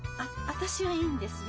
私はいいんですよ。